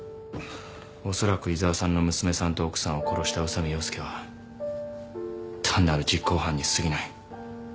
おそらく井沢さんの娘さんと奥さんを殺した宇佐美洋介は単なる実行犯にすぎない。